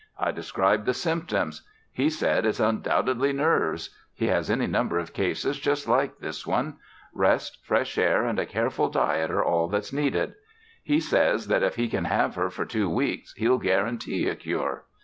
I described the symptoms. He says it's undoubtedly nerves. He has any number of cases just like this one rest, fresh air and a careful diet are all that's needed. He says that if he can have her for two weeks, he'll guarantee a cure.